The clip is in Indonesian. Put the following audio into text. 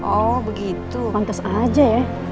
oh begitu pantas aja ya